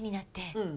うん。